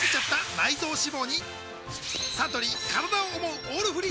サントリー「からだを想うオールフリー」